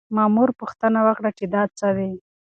مامور پوښتنه وکړه چې دا څه دي؟